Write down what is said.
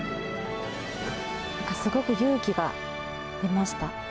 すごく勇気が出ました。